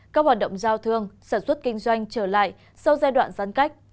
các hoạt động giao thương sản xuất kinh doanh trở lại sau giai đoạn giãn cách